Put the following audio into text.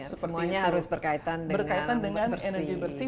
semuanya harus berkaitan dengan energi bersih